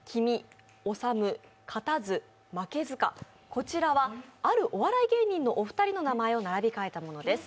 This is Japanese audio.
こちらはあるお笑い芸人のお二人の名前を並び替えたものです。